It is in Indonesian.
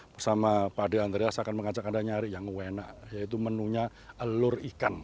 kita akan mencari yang enak yaitu menunya telur ikan